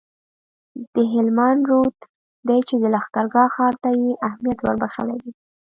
د هلمند رود دی چي د لښکرګاه ښار ته یې اهمیت وربخښلی دی